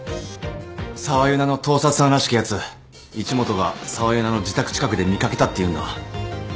サワユナの盗撮犯らしきやつ一本がサワユナの自宅近くで見掛けたって言うんだわ。